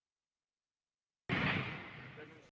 เขาติดมาเหรอประมาณกว่าคือกว้าง